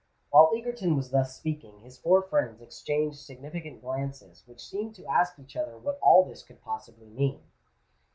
While Egerton was thus speaking, his four friends exchanged significant glances which seemed to ask each other what all this could possibly mean.